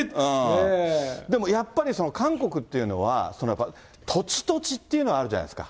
でもやっぱり韓国っていうのは、土地、土地っていうのがあるじゃないですか。